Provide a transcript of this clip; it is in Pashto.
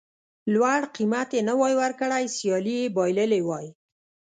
لوړ قېمت یې نه وای ورکړی سیالي یې بایللې وای.